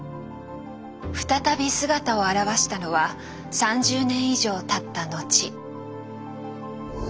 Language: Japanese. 再び姿を現したのは３０年以上たった後。